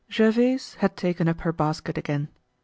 Gervaise had taken up her basket again.